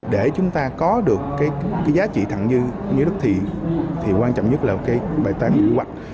để chúng ta có được cái giá trị thẳng như đất thì quan trọng nhất là cái bài toán quy hoạch